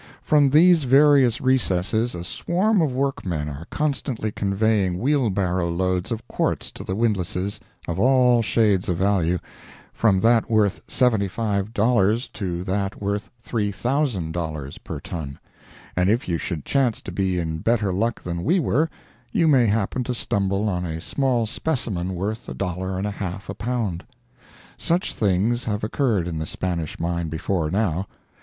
From these various recesses a swarm of workmen are constantly conveying wheel barrow loads of quartz to the windlasses, of all shades of value, from that worth $75 to that worth $3,000 per ton—and if you should chance to be in better luck than we were, you may happen to stumble on a small specimen worth a dollar and a half a pound. Such things have occurred in the Spanish mine before now.